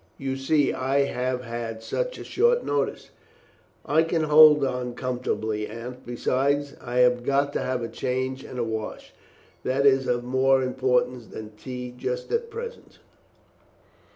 You see I have had such a very short notice." "I can hold on comfortably, Aunt; besides, I have got to have a change and a wash. That is of more importance than tea just at present."